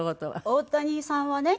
大谷さんはね